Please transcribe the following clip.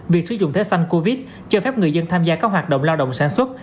việc sử dụng thẻ sanh covid cho phép người dân tham gia các hoạt động lao động sản xuất